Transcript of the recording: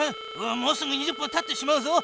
もうすぐ２０分たってしまうぞ。